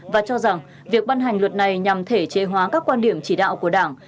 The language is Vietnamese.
và cho rằng việc ban hành luật này nhằm thể chế hóa các quan điểm chỉ đạo của đảng